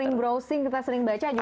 kita sering browsing kita sering baca juga